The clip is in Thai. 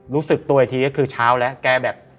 รู้สึกตัวอีกทีก็คือเช้าแล้วแกแบบ